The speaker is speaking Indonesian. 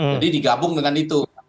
jadi digabung dengan itu